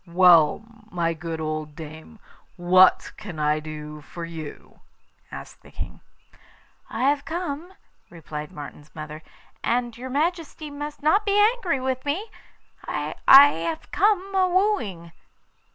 'Well, my good old dame, what can I do for you?' asked the King. 'I have come,' replied Martin's mother 'and your Majesty must not be angry with me I have come a wooing.